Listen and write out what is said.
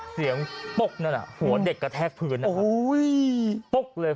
เสียงปุ๊บนั่นอ่ะหัวเด็กกระแทกพื้นอ่ะโอ้ยปุ๊บเลย